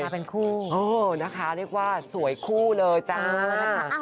เป็นคู่เออนะคะเรียกว่าสวยคู่เลยจ้า